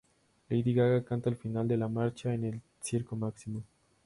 Lady Gaga canta al final de la marcha en el Circo Máximo.